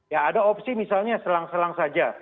ya ada opsi misalnya selang selang saja